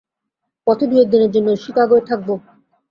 পথে দু-এক দিনের জন্য চিকাগোয় থাকব।